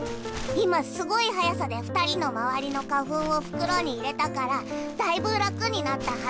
今すごい速さで２人の周りの花粉を袋に入れたからだいぶ楽になったはずだよ！